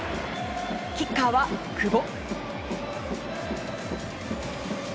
キッカーは久保。